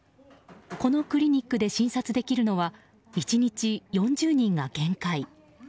このクリニックで診察できるのは１日４０人が限界。